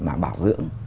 để mà bảo dưỡng